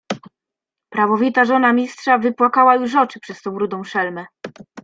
"Prawowita żona Mistrza wypłakała już oczy przez tą rudą szelmę."